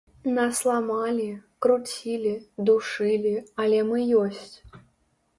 Нас ламалі, круцілі, душылі, але мы ёсць.